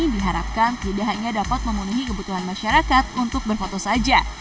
diharapkan tidak hanya dapat memenuhi kebutuhan masyarakat untuk berfoto saja